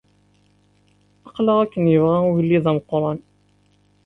Aql-aɣ akken yebɣa ugellid ameqqran.